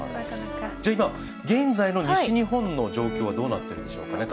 現在の西日本の状況はどうなっているでしょうか。